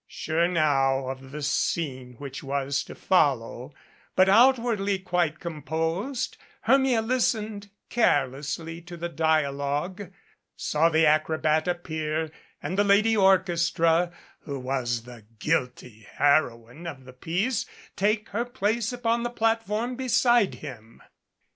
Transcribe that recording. Sure now of the scene which was to follow, but outwardly quite composed, Hermia listened carelessly to the dialogue, saw the acrobat appear, and the "Lady Orchestra," who was the guilty heroine of the piece, take her place upon the platform beside him.